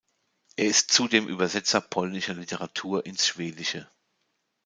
Er ist zudem Übersetzer polnischer Literatur ins Schwedische.